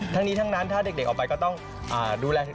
ทั้งนี้ทั้งนั้นถ้าเด็กออกไปก็ต้องดูแล